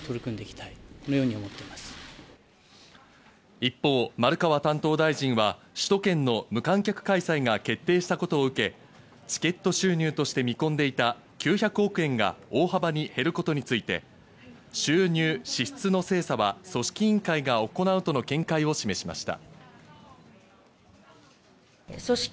一方、丸川担当大臣は首都圏の無観客開催が決定したことを受け、チケット収入として見込んでいた９００億円が大幅に減ることについて収入・支出の精査は組織委員会が行うとの見解を示しました。